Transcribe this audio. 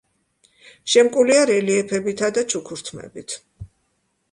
შემკულია რელიეფებითა და ჩუქურთმებით.